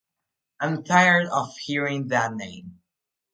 I'm tired of hearing that name.